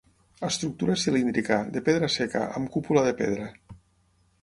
Estructura cilíndrica, de pedra seca, amb cúpula de pedra.